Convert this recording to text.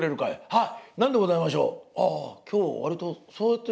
はい。